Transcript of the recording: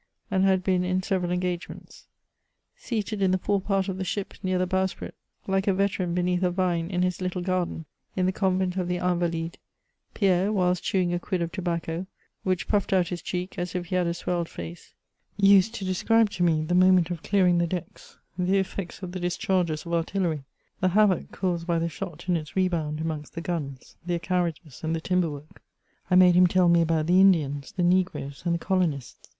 and had been in several engagements. Seated in the fore part of the ship, near the bowsprit, like a veteran beneath a vine in his little garden, in the convent of the Invalides, Pierre, whilst chewing a quid of tobacco, which puffed out his cheek as if he had a sweUed face, used to describe to me the moment of clearing the deckft, the effects of the discharges of artillery, the havoc caused by the shot in its rebound amon^t the guns, their car riages and the timber work. I made nim tell me about the Indians, the negroes, and the colonists.